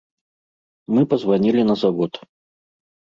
Мы пазванілі на завод.